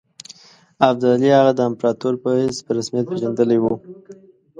ابدالي هغه د امپراطور په حیث په رسمیت پېژندلی وو.